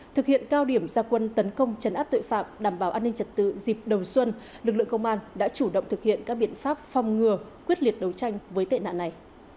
thực hiện cao điểm gia quân tấn công chấn áp tội phạm đảm bảo an ninh trật tự dịp đầu xuân lực lượng công an đã chủ động thực hiện các biện pháp phòng ngừa quyết liệt đấu tranh với tệ nạn này